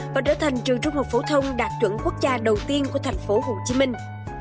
và trở thành trường trung học phổ thông đạt chuẩn quốc gia đầu tiên của thành phố hồ chí minh